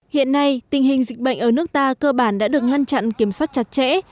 hiện nay tình hình dịch bệnh ở nước ta cơ bản đã được ngăn chặn kiểm soát chặt chẽ